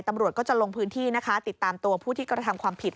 ตำรวจก็จะลงพื้นที่นะคะติดตามตัวผู้ที่กระทำความผิด